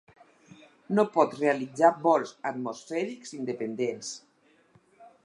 No pot realitzar vols atmosfèrics independents.